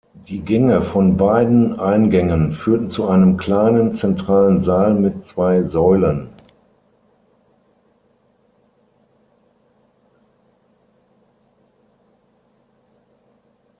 Die Gänge von beiden Eingängen führten zu einem kleinen, zentralen Saal mit zwei Säulen.